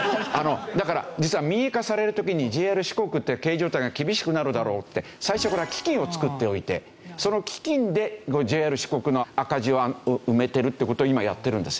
だから実は民営化される時にＪＲ四国って経営状態が厳しくなるだろうって最初から基金を作っておいてその基金でＪＲ四国の赤字を埋めてるって事を今やってるんです。